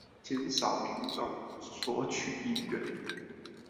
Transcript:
減少民眾索取意願